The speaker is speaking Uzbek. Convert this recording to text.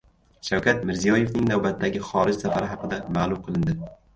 Shavkat Mirziyoyevning navbatdagi xorij safari haqida ma’lum qilindi